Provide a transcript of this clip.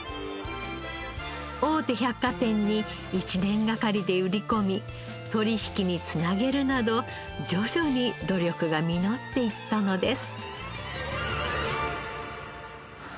大手百貨店に１年がかりで売り込み取引につなげるなど徐々に努力が実っていったのです。